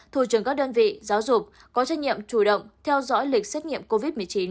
thủ trưởng các đơn vị giáo dục có trách nhiệm chủ động theo dõi lịch xét nghiệm covid một mươi chín